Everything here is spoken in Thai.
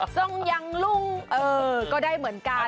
ทรงยังลุงก็ได้เหมือนกัน